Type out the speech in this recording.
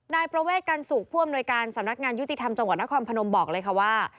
นายประเวทกันสุขผู้อำนวยการสำนักงานยุติธรรมจังหวัดนครพนมบอกเลยค่ะว่า